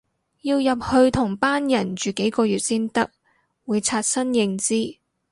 要入去同班人住幾個月先得，會刷新認知